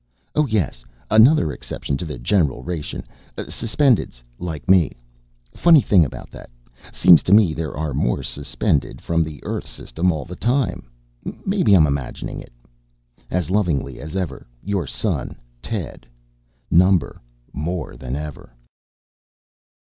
Oh yes, another exception to the general ration, Suspendeds like me. Funny thing about that, seems to me there are more Suspended from the Earth System all the time. Maybe I'm imagining it. As lovingly as ever, your son, Ted. (NO. More than ever!)